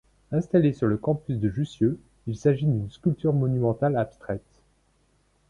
Installée sur le campus de Jussieu, il s'agit d'une sculpture monumentale abstraite.